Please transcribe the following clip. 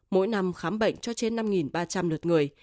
mỗi năm khám bệnh cho trên năm ba trăm linh lượt người